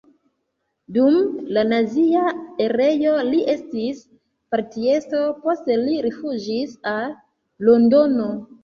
Dum la nazia erao li estis partiestro, poste li rifuĝis al Londono.